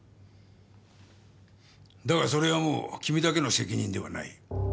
だがそれはもう君だけの責任ではない。